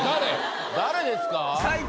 誰ですか？